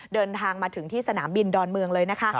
เดินทางมาถึงที่สนามบินดอนเมืองเลยนะคะ